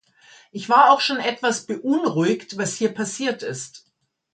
Ich war auch schon etwas beunruhigt, was hier passiert ist.